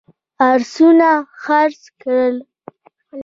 آسونه خرڅ کړل.